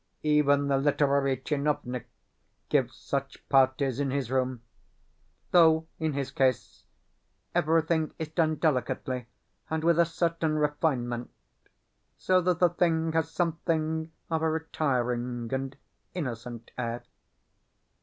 Even the literary tchinovnik gives such parties in his room though, in his case, everything is done delicately and with a certain refinement, so that the thing has something of a retiring and innocent air.